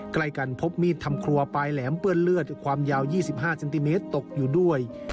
ใกล้กันพบมีดทำครัวปลายแหลมเปื้อนเลือดความยาว๒๕เซนติเมตรตกอยู่ด้วย